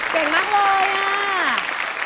เก่งมากเลยอ่ะ